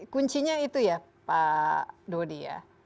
kuncinya itu ya pak dodi ya